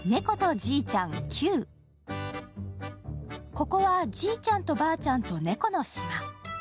ここは、じいちゃんとばあちゃんと猫の島。